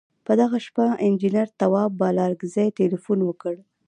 په دغه شپه انجنیر تواب بالاکرزی تیلفون وکړ.